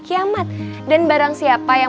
kiamat dan barang siapa yang